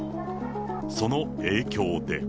その影響で。